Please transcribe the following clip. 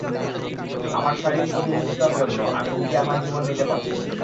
আমার শারীরিক প্রতিবন্ধিতার জন্য আমি নিজে আমার জীবন নিতে পারছি না।